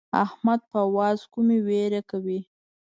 احمد په واز کومې وير کوي.